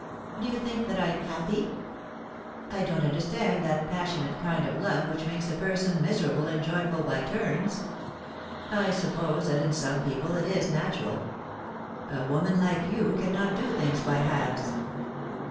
' Do you think that I am happy ?I don't understand that passionate kind of love which makes a person miserable and joyful by turns. I suppose that in some people it is natural A woman like you cannot do things by halves.'